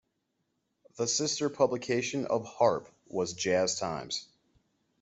The sister publication of "Harp" was "Jazz Times".